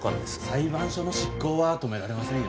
裁判所の執行は止められませんよ。